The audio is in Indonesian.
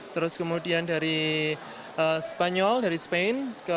terus kemudian dari spanyol dari spain